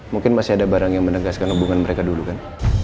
mungkin masih ada barang yang menegaskan hubungan mereka dulu kan